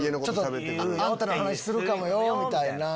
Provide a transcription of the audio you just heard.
「あなたの話するかもよ」みたいな。